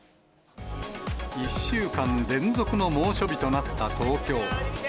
１週間連続の猛暑日となった東京。